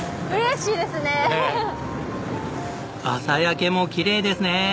朝焼けもきれいですね。